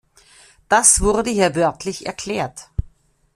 Das wurde hier wörtlich erklärt.